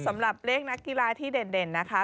สำหรับเลขนักกีฬาที่เด่นนะคะ